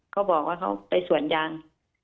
เขาบอกว่าเขาไปสวนยาง